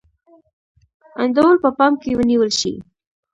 انډول په پام کې ونیول شي.